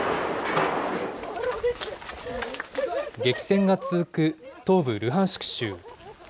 激戦が続く東部ルハンシク州。